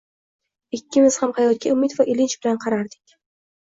Ikkimiz ham hayotga umid va ilinj bilan qarardik